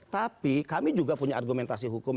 tapi kami juga punya argumentasi hukum